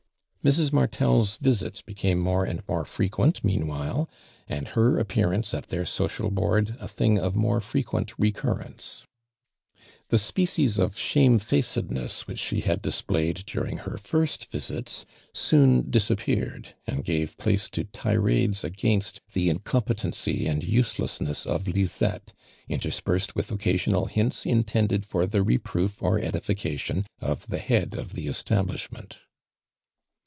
Mrs. ^Martel's visits became more and more frequent, meanwhile, and her appearance at their socid bo ird a thing of iTiOro frequent recurrence. The species ot shame facodness which .she had displayed during her first visits soon, disappeared, and gave place to tirades against tho incompetency and usole.ssness of Lizette, interspersed with occasional hints intended for the reproof or edification of the head of the establishment.